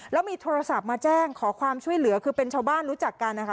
แล้วมีโทรศัพท์มาแจ้งขอความช่วยเหลือคือเป็นชาวบ้านรู้จักกันนะคะ